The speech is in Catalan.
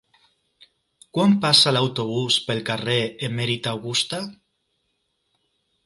Quan passa l'autobús pel carrer Emèrita Augusta?